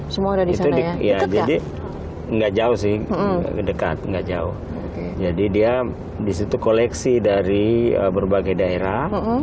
semua dari saya jadi enggak jauh sih dekat enggak jauh jadi dia disitu koleksi dari berbagai daerah